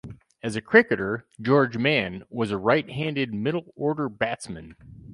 As a cricketer, George Mann was a right-handed middle-order batsman.